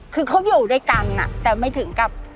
คือเขาอยู่ด้วยกันแต่ไม่ถึงกับ